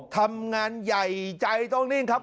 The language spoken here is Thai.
ทำงานใหญ่ใจต้องนิ่งครับ